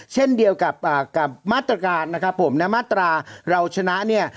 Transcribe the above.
เช่นเดียวกับมาตรการนะครับผมนะมาตราเราชนะเนี่ย